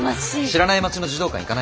知らない町の児童館行かないから。